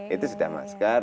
itu sudah masker